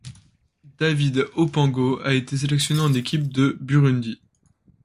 David Opango a été sélectionné en équipe du Burundi.